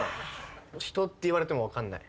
人って言われても分かんない。